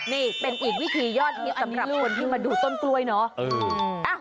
นี่เป็นอีกวิธียอดฮิตสำหรับคนที่มาดูต้นกล้วยเนาะ